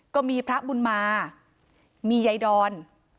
ก็มีพระบุญมามียายดอน